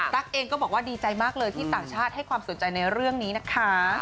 เองก็บอกว่าดีใจมากเลยที่ต่างชาติให้ความสนใจในเรื่องนี้นะคะ